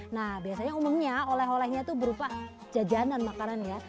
nah biasanya umumnya oleh olehnya itu berupa jajanan makanan ya